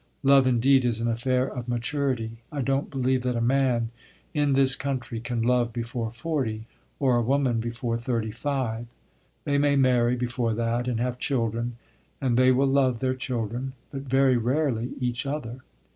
Love, indeed, is an affair of maturity. I don't believe that a man, in this country, can love before forty or a woman before thirty five. They may marry before that and have children; and they will love their children, but very rarely each other.